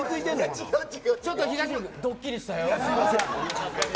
ちょっとドッキリしたよ。